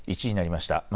１時になりました。